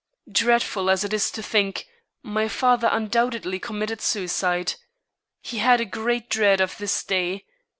Dreadful as it is to think, my father undoubtedly committed suicide. He had a great dread of this day.